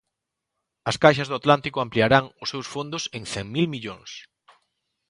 As caixas do Atlántico ampliarán os seus fondos en cen mil millóns